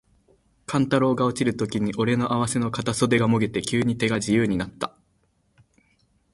勘太郎が落ちるときに、おれの袷の片袖がもげて、急に手が自由になつた。